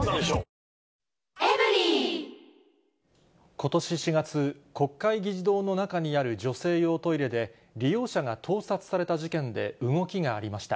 ことし４月、国会議事堂の中にある女性用トイレで、利用者が盗撮された事件で動きがありました。